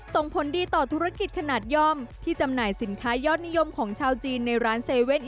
ส่งผลดีต่อธุรกิจขนาดย่อมที่จำหน่ายสินค้ายอดนิยมของชาวจีนในร้าน๗๑๑